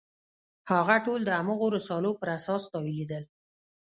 هغه ټول د هماغو رسالو پر اساس تاویلېدل.